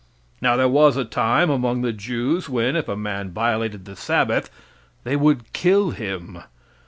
Now, there was a time among the Jews, when, if a man violated the Sabbath, they would kill him.